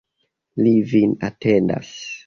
Li vin atendas.